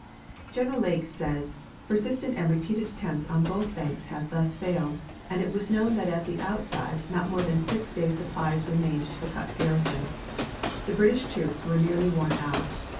General Lake says: "Persistent and repeated attempts on both banks have thus failed, and it was known that at the outside not more than six days' supplies remained to the Kut garrison. The British troops were nearly worn out.